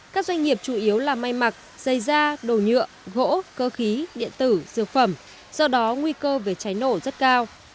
các doanh nghiệp chủ yếu là may mặc dây da đồ nhựa gỗ cơ khí điện tử dược phẩm do đó nguy cơ về cháy nổ rất cao